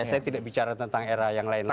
saya tidak bicara tentang era yang lain lain